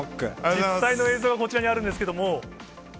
実際の映像がこちらにあるんですけれども。